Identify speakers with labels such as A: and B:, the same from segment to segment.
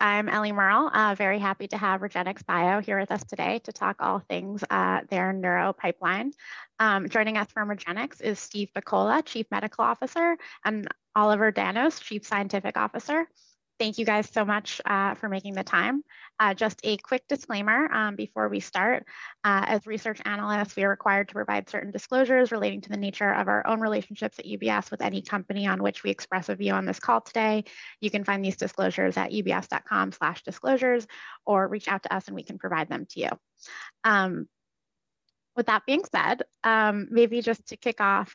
A: I'm Ellie Merle, very happy to have REGENXBIO here with us today to talk all things their neuro pipeline. Joining us from REGENX is Steve Pakola, Chief Medical Officer, and Olivier Danos, Chief Scientific Officer. Thank you guys so much for making the time. Just a quick disclaimer before we start: as research analysts, we are required to provide certain disclosures relating to the nature of our own relationships at UBS with any company on which we express a view on this call today. You can find these disclosures at ubs.com/disclosures or reach out to us and we can provide them to you. With that being said, maybe just to kick off,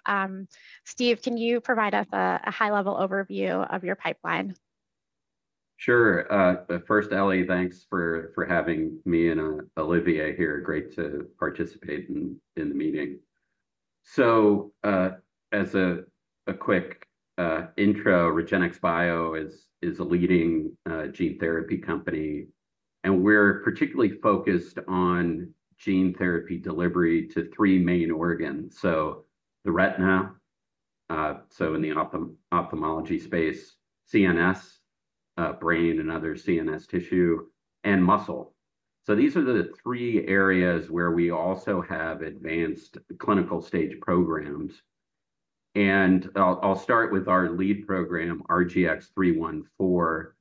A: Steve, can you provide us a high-level overview of your pipeline?
B: Sure. First, Ellie, thanks for having me and Olivier here. Great to participate in the meeting. So as a quick intro, REGENXBIO is a leading gene therapy company, and we're particularly focused on gene therapy delivery to three main organs. So the retina, so in the ophthalmology space, CNS, brain and other CNS tissue, and muscle. So these are the three areas where we also have advanced clinical stage programs. And I'll start with our lead program, RGX-314, for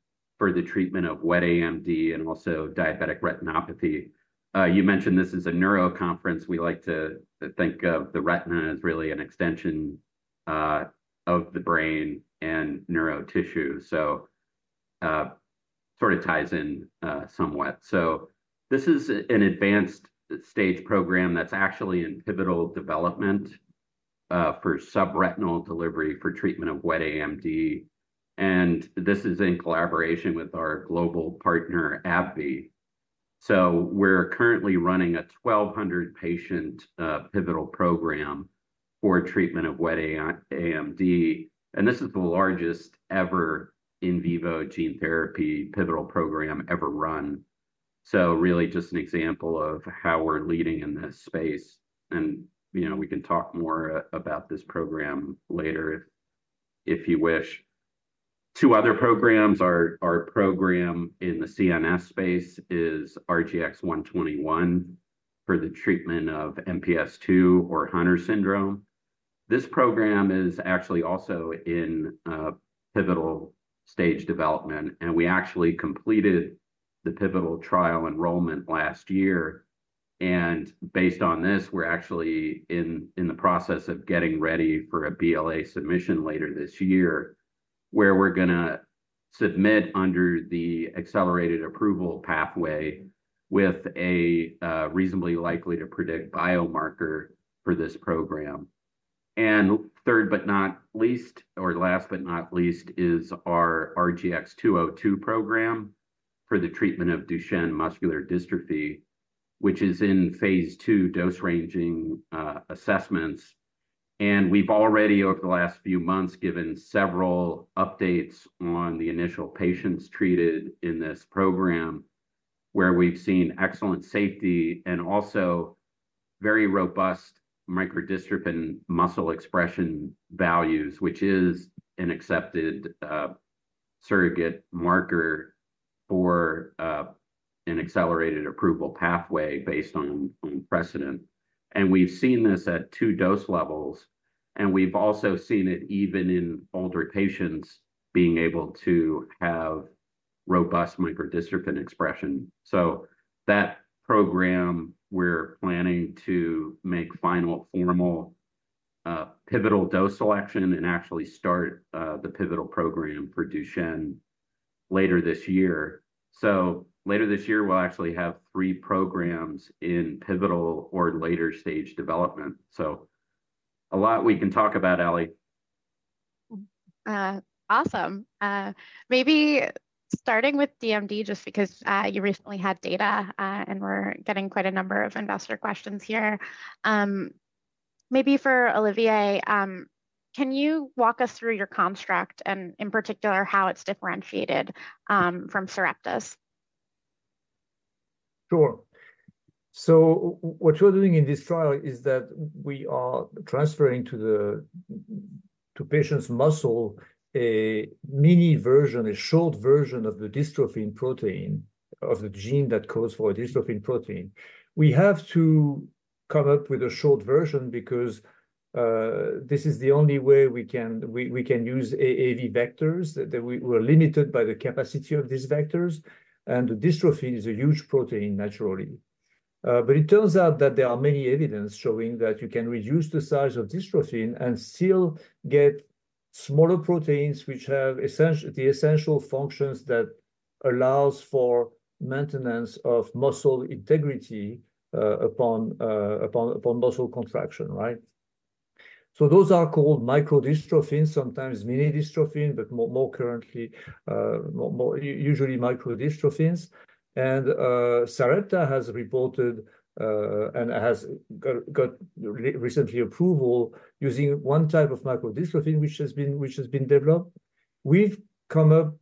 B: the treatment of wet AMD and also diabetic retinopathy. You mentioned this is a neuro conference. We like to think of the retina as really an extension of the brain and neuro tissue, so sort of ties in somewhat. So this is an advanced stage program that's actually in pivotal development for subretinal delivery for treatment of wet AMD. And this is in collaboration with our global partner, AbbVie. So we're currently running a 1,200-patient pivotal program for treatment of wet AMD. And this is the largest ever in vivo gene therapy pivotal program ever run. So really just an example of how we're leading in this space. And we can talk more about this program later if you wish. Two other programs are our program in the CNS space is RGX-121 for the treatment of MPS II or Hunter syndrome. This program is actually also in pivotal stage development. And we actually completed the pivotal trial enrollment last year. And based on this, we're actually in the process of getting ready for a BLA submission later this year where we're going to submit under the accelerated approval pathway with a reasonably likely to predict biomarker for this program. Third but not least, or last but not least, is our RGX-202 program for the treatment of Duchenne muscular dystrophy, which is in Phase II dose ranging assessments. We've already, over the last few months, given several updates on the initial patients treated in this program where we've seen excellent safety and also very robust microdystrophin muscle expression values, which is an accepted surrogate marker for an accelerated approval pathway based on precedent. We've seen this at two dose levels. We've also seen it even in older patients being able to have robust microdystrophin expression. So that program, we're planning to make final formal pivotal dose selection and actually start the pivotal program for Duchenne later this year. So later this year, we'll actually have three programs in pivotal or later stage development. So a lot we can talk about, Ellie.
A: Awesome. Maybe starting with DMD, just because you recently had data and we're getting quite a number of investor questions here. Maybe for Olivier, can you walk us through your construct and in particular how it's differentiated from Sarepta?
C: Sure. So what we're doing in this trial is that we are transferring to patients' muscle a mini version, a short version of the dystrophin protein, of the gene that causes dystrophin protein. We have to come up with a short version because this is the only way we can use AAV vectors. We're limited by the capacity of these vectors. And the dystrophin is a huge protein, naturally. But it turns out that there are many evidences showing that you can reduce the size of dystrophin and still get smaller proteins which have the essential functions that allow for maintenance of muscle integrity upon muscle contraction, right? So those are called microdystrophins, sometimes mini dystrophin, but more currently, usually microdystrophins. And Sarepta has reported and has got recently approval using one type of microdystrophin which has been developed. We've come up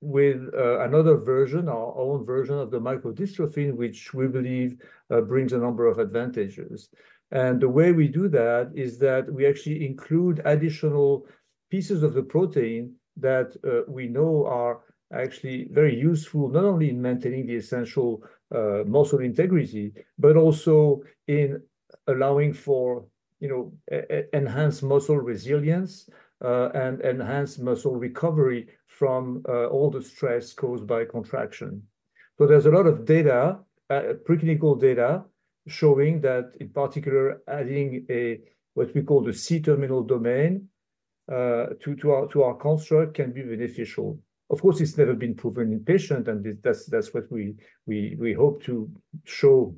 C: with another version, our own version of the microdystrophin, which we believe brings a number of advantages. The way we do that is that we actually include additional pieces of the protein that we know are actually very useful not only in maintaining the essential muscle integrity, but also in allowing for enhanced muscle resilience and enhanced muscle recovery from all the stress caused by contraction. So there's a lot of data, preclinical data, showing that in particular, adding what we call the C-terminal domain to our construct can be beneficial. Of course, it's never been proven in patients, and that's what we hope to show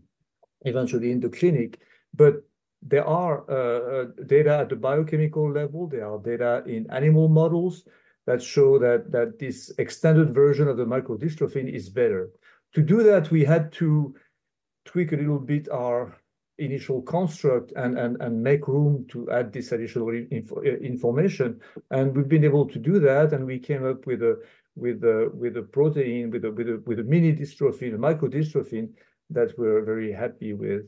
C: eventually in the clinic. But there are data at the biochemical level. There are data in animal models that show that this extended version of the microdystrophin is better. To do that, we had to tweak a little bit our initial construct and make room to add this additional information. We've been able to do that. We came up with a protein with a mini dystrophin, a microdystrophin that we're very happy with.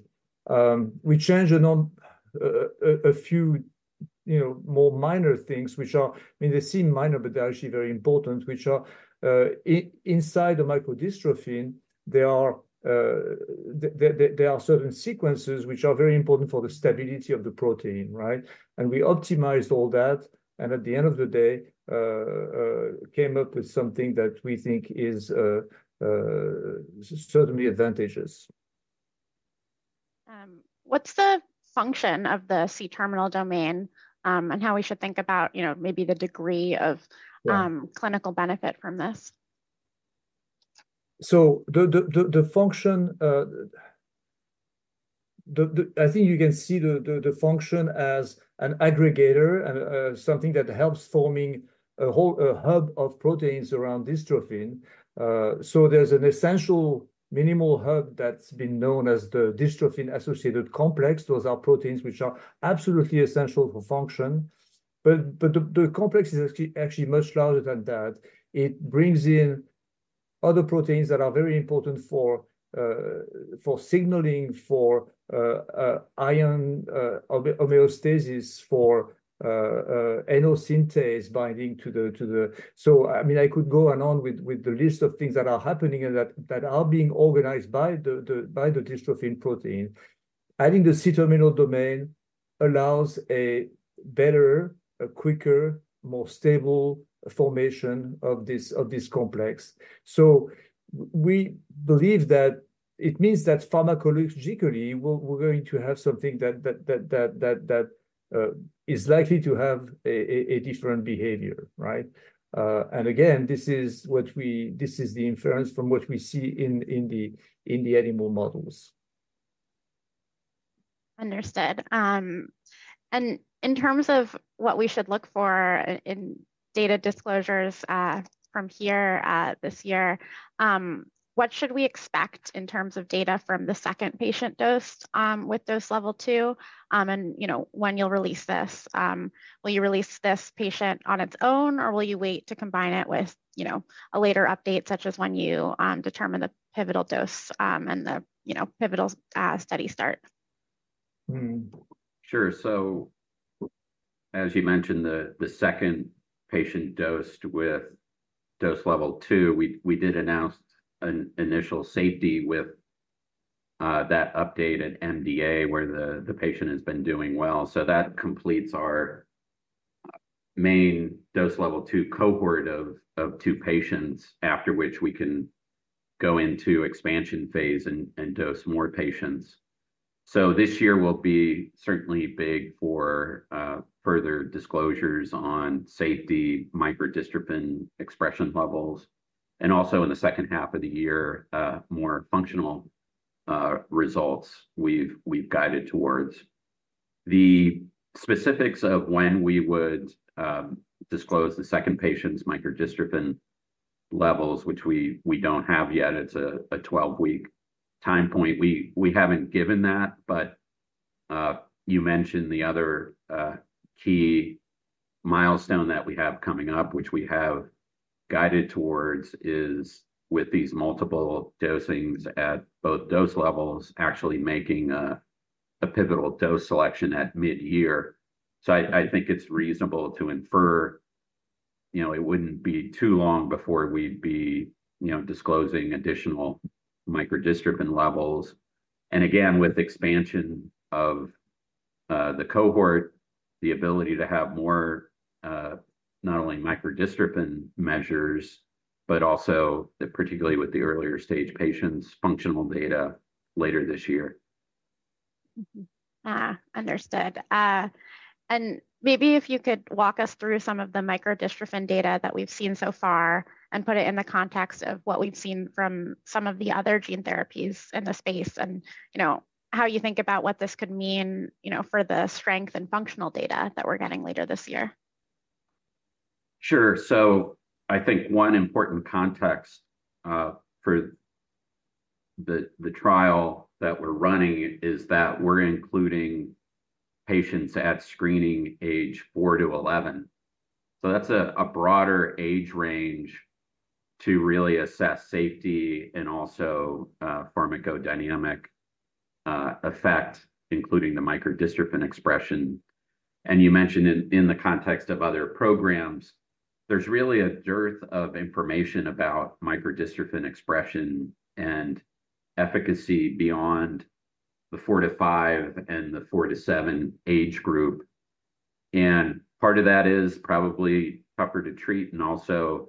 C: We changed a few more minor things, which are I mean, they seem minor, but they're actually very important, which are inside the microdystrophin, there are certain sequences which are very important for the stability of the protein, right? And we optimized all that. At the end of the day, we came up with something that we think is certainly advantageous.
A: What's the function of the C-terminal domain and how we should think about maybe the degree of clinical benefit from this?
C: So the function I think you can see the function as an aggregator and something that helps forming a whole hub of proteins around dystrophin. So there's an essential minimal hub that's been known as the dystrophin-associated complex. Those are proteins which are absolutely essential for function. But the complex is actually much larger than that. It brings in other proteins that are very important for signaling, for ion homeostasis, for NO synthase binding to the so I mean, I could go on and on with the list of things that are happening and that are being organized by the Dystrophin protein. Adding the C-terminal domain allows a better, quicker, more stable formation of this complex. So we believe that it means that pharmacologically, we're going to have something that is likely to have a different behavior, right? And again, this is the inference from what we see in the animal models.
A: Understood. And in terms of what we should look for in data disclosures from here this year, what should we expect in terms of data from the second patient dose with dose Level 2? And when you'll release this, will you release this patient on its own, or will you wait to combine it with a later update such as when you determine the pivotal dose and the pivotal study start?
B: Sure. So as you mentioned, the second patient dosed with dose Level 2, we did announce initial safety with that updated MDA where the patient has been doing well. So that completes our main dose Level 2 cohort of two patients, after which we can go into expansion phase and dose more patients. So this year will be certainly big for further disclosures on safety, microdystrophin expression levels, and also in the second half of the year, more functional results we've guided towards. The specifics of when we would disclose the second patient's microdystrophin levels, which we don't have yet, it's a 12-week time point. We haven't given that. But you mentioned the other key milestone that we have coming up, which we have guided towards, is with these multiple dosings at both dose levels, actually making a pivotal dose selection at mid-year. I think it's reasonable to infer it wouldn't be too long before we'd be disclosing additional microdystrophin levels. Again, with expansion of the cohort, the ability to have more not only microdystrophin measures, but also particularly with the earlier stage patients, functional data later this year.
A: Understood. Maybe if you could walk us through some of the microdystrophin data that we've seen so far and put it in the context of what we've seen from some of the other gene therapies in the space and how you think about what this could mean for the strength and functional data that we're getting later this year.
B: Sure. So I think one important context for the trial that we're running is that we're including patients at screening age four to 11. So that's a broader age range to really assess safety and also pharmacodynamic effect, including the microdystrophin expression. And you mentioned in the context of other programs, there's really a dearth of information about microdystrophin expression and efficacy beyond the 45 and the 47 age group. And part of that is probably tougher to treat. And also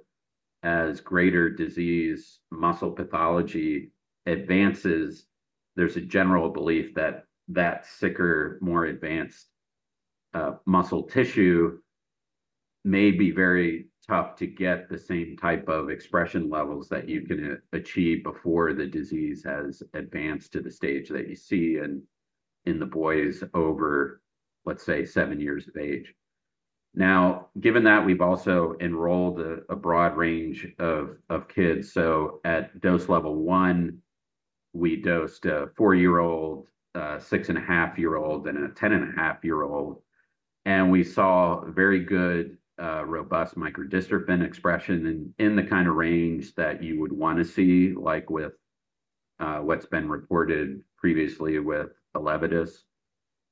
B: as greater disease muscle pathology advances, there's a general belief that that sicker, more advanced muscle tissue may be very tough to get the same type of expression levels that you can achieve before the disease has advanced to the stage that you see in the boys over, let's say, seven years of age. Now, given that, we've also enrolled a broad range of kids. So at dose level one, we dosed a four-year-old, a 6.5-year-old, and a 10.5-year-old. And we saw very good, robust microdystrophin expression in the kind of range that you would want to see with what's been reported previously with Elevidys.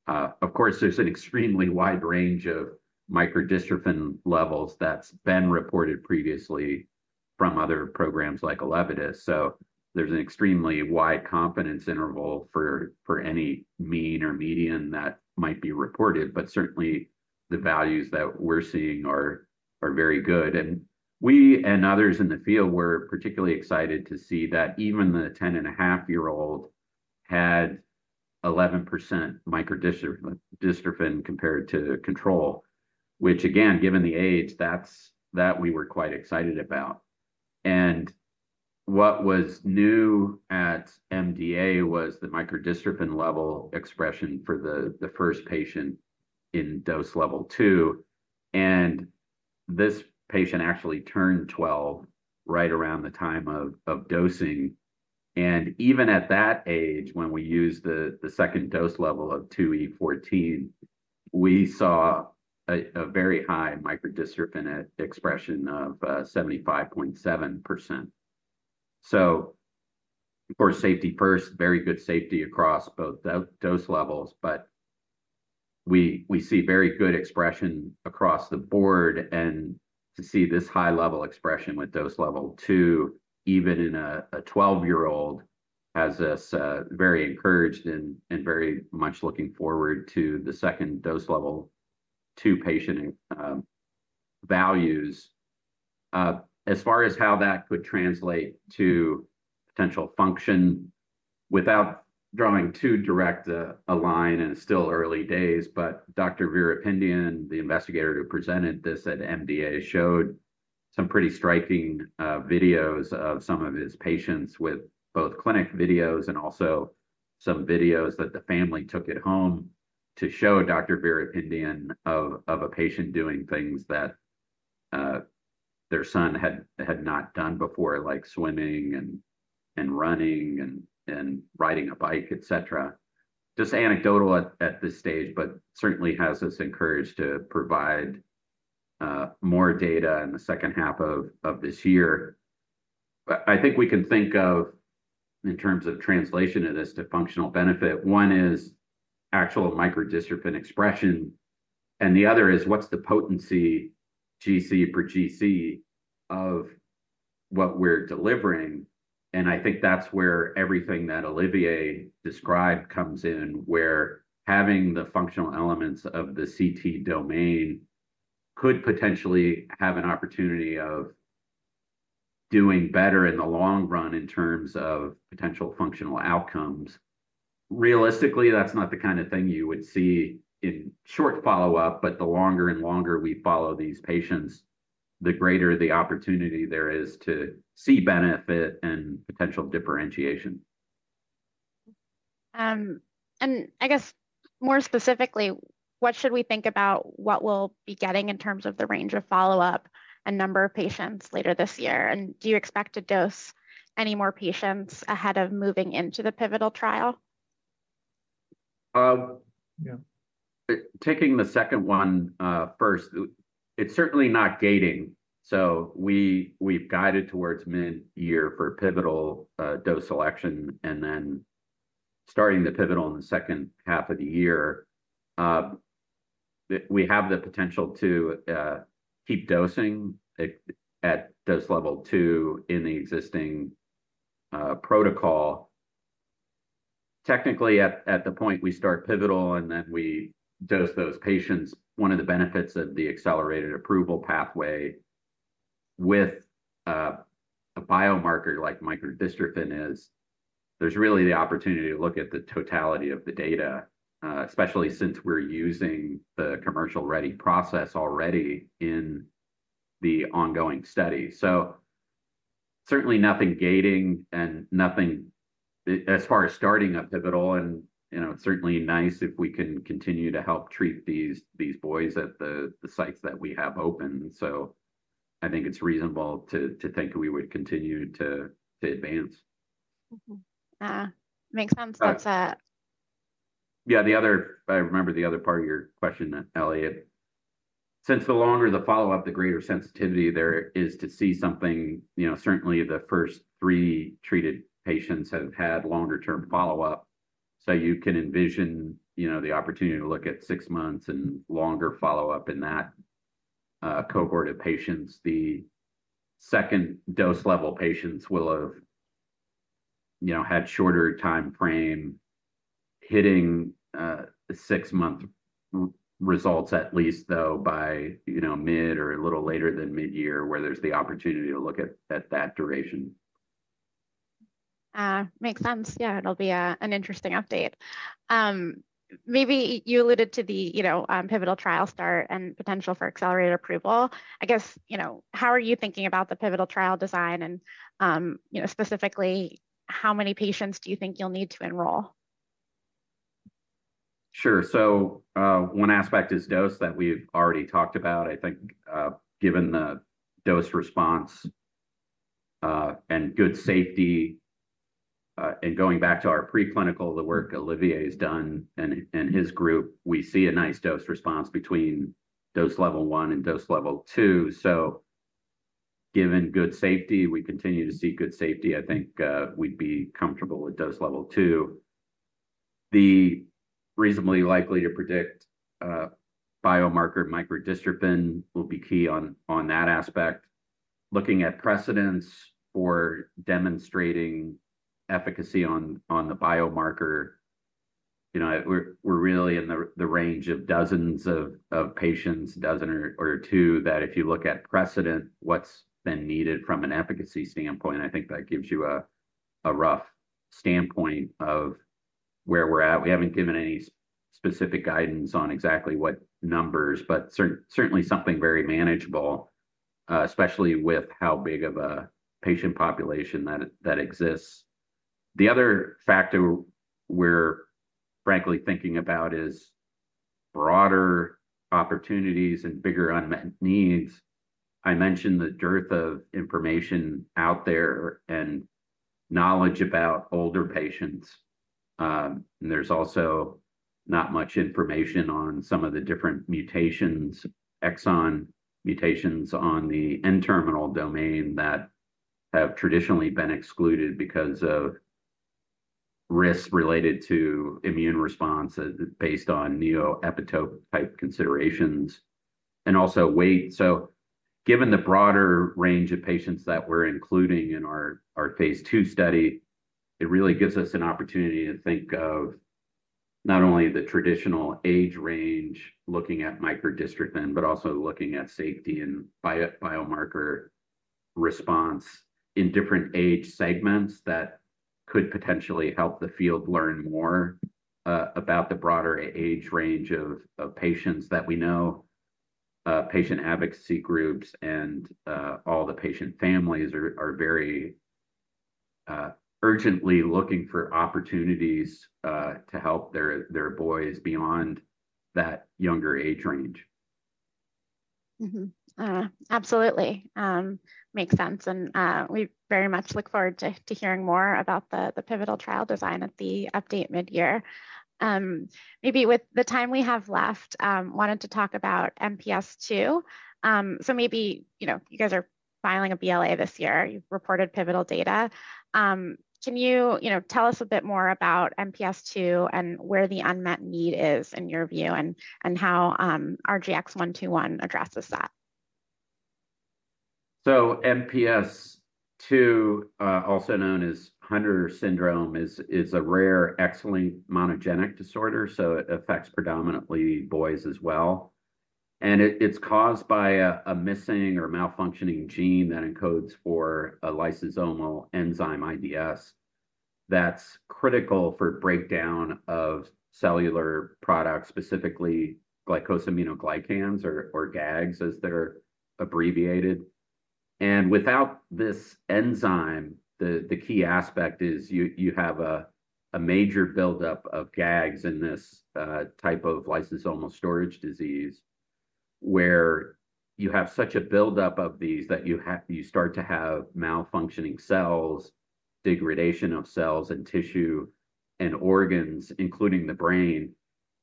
B: Of course, there's an extremely wide range of microdystrophin levels that's been reported previously from other programs like Elevidys. So there's an extremely wide confidence interval for any mean or median that might be reported. But certainly, the values that we're seeing are very good. And we and others in the field were particularly excited to see that even the 10.5-year-old had 11% microdystrophin compared to control, which again, given the age, that we were quite excited about. And what was new at MDA was the microdystrophin level expression for the first patient in dose Level 2. And this patient actually turned 12 right around the time of dosing. Even at that age, when we used the second dose level of 2E14, we saw a very high microdystrophin expression of 75.7%. Of course, safety first, very good safety across both dose levels. But we see very good expression across the board. To see this high-level expression with dose Level 2, even in a 12-year-old, has us very encouraged and very much looking forward to the second dose Level 2 patient values. As far as how that could translate to potential function without drawing too direct a line and it's still early days, but Dr. Veerapandiyan, the investigator who presented this at MDA, showed some pretty striking videos of some of his patients with both clinic videos and also some videos that the family took at home to show Dr. Veerapandiyan of a patient doing things that their son had not done before, like swimming and running and riding a bike, etc. Just anecdotal at this stage, but certainly has us encouraged to provide more data in the second half of this year. I think we can think of in terms of translation of this to functional benefit, one is actual microdystrophin expression. And the other is what's the potency GC per GC of what we're delivering? And I think that's where everything that Olivier described comes in, where having the functional elements of the CT domain could potentially have an opportunity of doing better in the long run in terms of potential functional outcomes. Realistically, that's not the kind of thing you would see in short follow-up, but the longer and longer we follow these patients, the greater the opportunity there is to see benefit and potential differentiation.
A: I guess more specifically, what should we think about what we'll be getting in terms of the range of follow-up and number of patients later this year? Do you expect to dose any more patients ahead of moving into the pivotal trial?
B: Yeah. Taking the second one first, it's certainly not gating. So we've guided towards mid-year for pivotal dose selection and then starting the pivotal in the second half of the year. We have the potential to keep dosing at dose Level 2 in the existing protocol. Technically, at the point we start pivotal and then we dose those patients. One of the benefits of the accelerated approval pathway with a biomarker like microdystrophin is there's really the opportunity to look at the totality of the data, especially since we're using the commercial-ready process already in the ongoing study. So certainly nothing gating and nothing as far as starting a pivotal. And it's certainly nice if we can continue to help treat these boys at the sites that we have open. So I think it's reasonable to think we would continue to advance.
A: Makes sense. That's a.
B: Yeah. I remember the other part of your question, Ellie. Since the longer the follow-up, the greater sensitivity there is to see something. Certainly, the first three treated patients have had longer-term follow-up. So you can envision the opportunity to look at six months and longer follow-up in that cohort of patients. The second dose level patients will have had shorter time frame hitting six-month results at least, though, by mid or a little later than mid-year where there's the opportunity to look at that duration.
A: Makes sense. Yeah. It'll be an interesting update. Maybe you alluded to the pivotal trial start and potential for accelerated approval. I guess how are you thinking about the pivotal trial design? And specifically, how many patients do you think you'll need to enroll?
B: Sure. So one aspect is dose that we've already talked about. I think given the dose response and good safety and going back to our preclinical, the work Olivier has done and his group, we see a nice dose response between dose Level 1 and dose Level 2. So given good safety, we continue to see good safety, I think we'd be comfortable with dose Level 2. The reasonably likely to predict biomarker microdystrophin will be key on that aspect. Looking at precedents for demonstrating efficacy on the biomarker, we're really in the range of dozens of patients, dozen or two, that if you look at precedent, what's been needed from an efficacy standpoint, I think that gives you a rough standpoint of where we're at. We haven't given any specific guidance on exactly what numbers, but certainly something very manageable, especially with how big of a patient population that exists. The other factor we're frankly thinking about is broader opportunities and bigger unmet needs. I mentioned the dearth of information out there and knowledge about older patients. There's also not much information on some of the different mutations, exon mutations on the C-terminal domain that have traditionally been excluded because of risks related to immune response based on neoepitope-type considerations and also weight. So given the broader range of patients that we're including in our Phase II study, it really gives us an opportunity to think of not only the traditional age range looking at microdystrophin, but also looking at safety and biomarker response in different age segments that could potentially help the field learn more about the broader age range of patients that we know. Patient advocacy groups and all the patient families are very urgently looking for opportunities to help their boys beyond that younger age range.
A: Absolutely. Makes sense. We very much look forward to hearing more about the pivotal trial design at the update mid-year. Maybe with the time we have left, I wanted to talk about MPS II. So maybe you guys are filing a BLA this year. You've reported pivotal data. Can you tell us a bit more about MPS II and where the unmet need is in your view and how RGX-121 addresses that?
B: So MPS II, also known as Hunter syndrome, is a rare X-linked monogenic disorder. It affects predominantly boys as well. And it's caused by a missing or malfunctioning gene that encodes for a lysosomal enzyme, IDS. That's critical for breakdown of cellular products, specifically glycosaminoglycans or GAGs as they're abbreviated. And without this enzyme, the key aspect is you have a major buildup of GAGs in this type of lysosomal storage disease where you have such a buildup of these that you start to have malfunctioning cells, degradation of cells and tissue and organs, including the brain.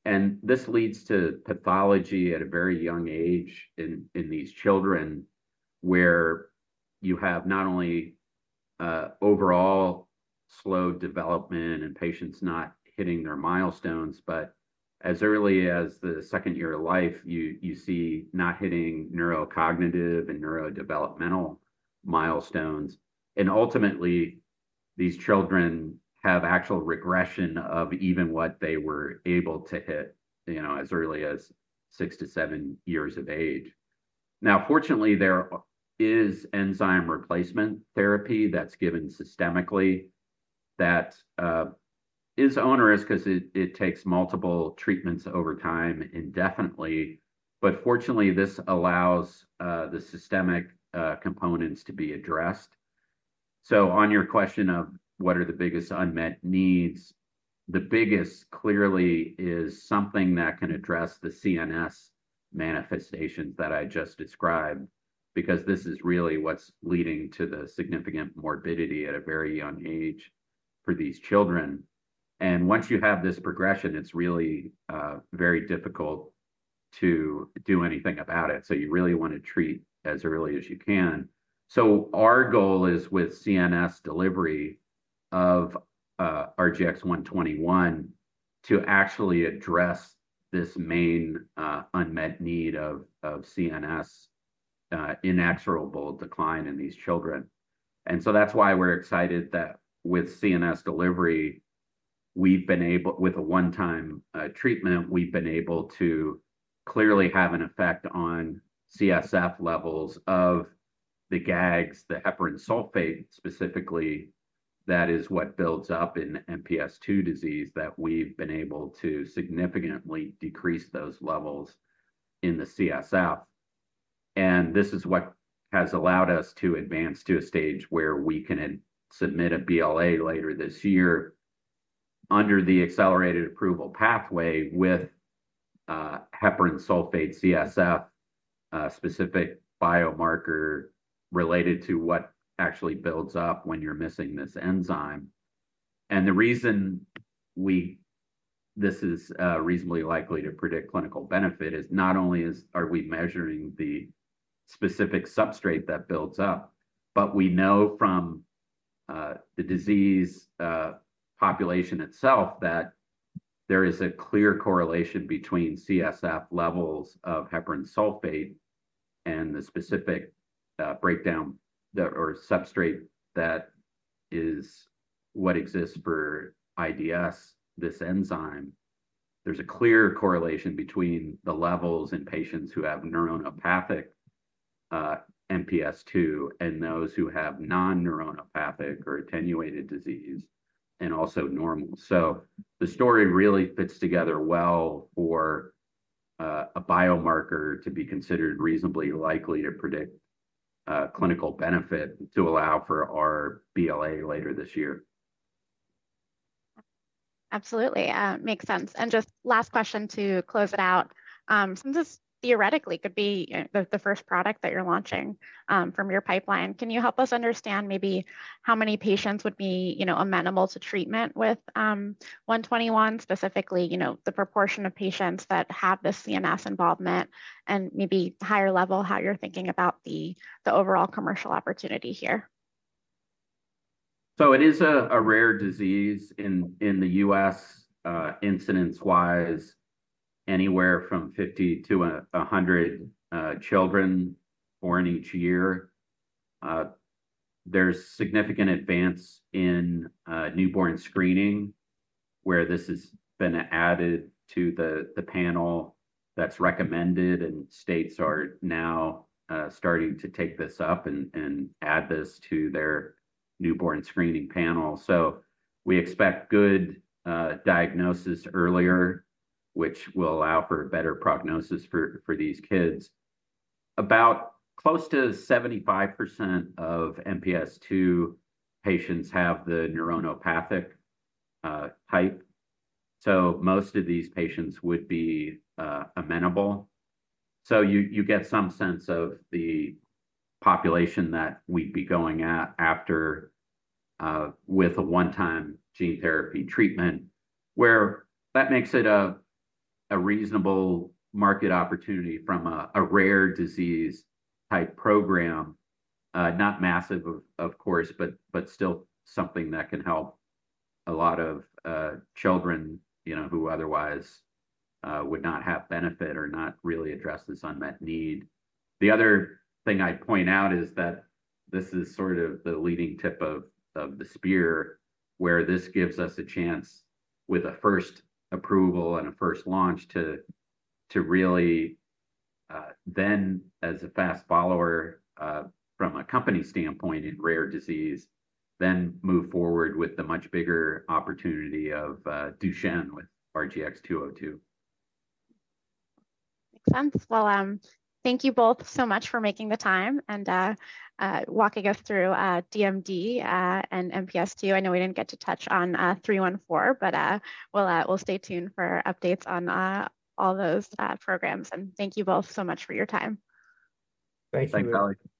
B: And this leads to pathology at a very young age in these children where you have not only overall slowed development and patients not hitting their milestones, but as early as the second year of life, you see not hitting neurocognitive and neurodevelopmental milestones. And ultimately, these children have actual regression of even what they were able to hit as early as six to seven years of age. Now, fortunately, there is enzyme replacement therapy that's given systemically that is onerous because it takes multiple treatments over time indefinitely. But fortunately, this allows the systemic components to be addressed. So on your question of what are the biggest unmet needs, the biggest clearly is something that can address the CNS manifestations that I just described because this is really what's leading to the significant morbidity at a very young age for these children. And once you have this progression, it's really very difficult to do anything about it. So you really want to treat as early as you can. So our goal is with CNS delivery of RGX-121 to actually address this main unmet need of CNS inexorable decline in these children. So that's why we're excited that with CNS delivery, with a one-time treatment, we've been able to clearly have an effect on CSF levels of the GAGs, the heparan sulfate specifically, that is what builds up in MPS II disease that we've been able to significantly decrease those levels in the CSF. This is what has allowed us to advance to a stage where we can submit a BLA later this year under the accelerated approval pathway with heparan sulfate CSF-specific biomarker related to what actually builds up when you're missing this enzyme. The reason this is reasonably likely to predict clinical benefit is not only are we measuring the specific substrate that builds up, but we know from the disease population itself that there is a clear correlation between CSF levels of heparan sulfate and the specific breakdown or substrate that is what exists for IDS, this enzyme. There's a clear correlation between the levels in patients who have neuronopathic MPS II and those who have non-neuronopathic or attenuated disease and also normal. So the story really fits together well for a biomarker to be considered reasonably likely to predict clinical benefit to allow for our BLA later this year.
A: Absolutely. Makes sense. Just last question to close it out. Since this theoretically could be the first product that you're launching from your pipeline, can you help us understand maybe how many patients would be amenable to treatment with 121, specifically the proportion of patients that have this CNS involvement and maybe higher level, how you're thinking about the overall commercial opportunity here?
B: It is a rare disease in the U.S. incidence-wise, anywhere from 50-100 children born each year. There's significant advance in newborn screening where this has been added to the panel that's recommended, and states are now starting to take this up and add this to their newborn screening panel. So we expect good diagnosis earlier, which will allow for better prognosis for these kids. About close to 75% of MPS II patients have the neuronopathic type. So most of these patients would be amenable. So you get some sense of the population that we'd be going at with a one-time gene therapy treatment where that makes it a reasonable market opportunity from a rare disease-type program. Not massive, of course, but still something that can help a lot of children who otherwise would not have benefit or not really address this unmet need. The other thing I'd point out is that this is sort of the leading tip of the spear where this gives us a chance with a first approval and a first launch to really then, as a fast follower from a company standpoint in rare disease, then move forward with the much bigger opportunity of Duchenne with RGX-202.
A: Makes sense. Well, thank you both so much for making the time and walking us through DMD and MPS II. I know we didn't get to touch on 314, but we'll stay tuned for updates on all those programs. And thank you both so much for your time.
C: Thank you.
B: Thanks, Ellie.